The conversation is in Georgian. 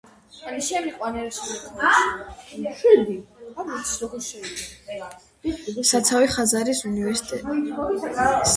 საცავი ხაზარის უნივერსიტეტის ფაკულტეტების კვლევათა ციფრულ კოლექციებს.